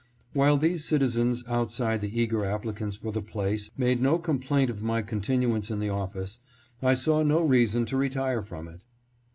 While these citizens, outside the eager applicants for the place, made no complaint of my continuance in the office, I saw no reason to retire from it.